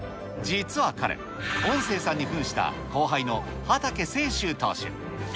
実は彼、音声さんにふんした後輩の畠世周投手。